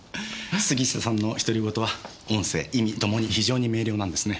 杉下さんの独り言は音声意味ともに非常に明瞭なんですね。